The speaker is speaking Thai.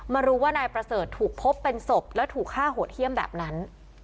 รู้ว่านายประเสริฐถูกพบเป็นศพและถูกฆ่าโหดเยี่ยมแบบนั้น